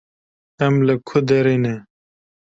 Em li ku derê ne?